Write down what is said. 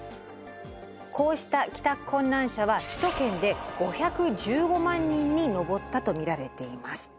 こうした帰宅困難者は首都圏で５１５万人に上ったと見られています。